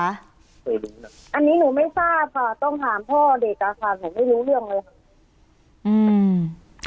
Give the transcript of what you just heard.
อันนี้หนูไม่ทราบค่ะต้องถามพ่อเด็กอะค่ะหนูไม่รู้เรื่องเลยค่ะ